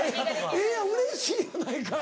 ええやんうれしいやないかい。